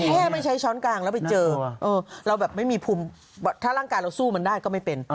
แค่ไม่ใช้ช้อนกลางแล้วไปเจอเราแบบไม่มีภูมิถ้าร่างกายเราสู้มันได้ก็ไม่เป็น